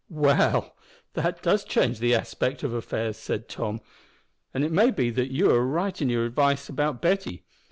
"Well, that does change the aspect of affairs," said Tom, "and it may be that you are right in your advice about Betty.